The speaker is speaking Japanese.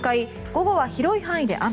午後は広い範囲で雨。